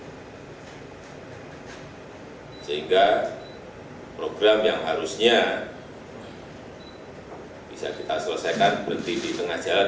mereka harus berpikir pikir sehingga program yang harusnya bisa kita selesaikan berhenti di tengah jalan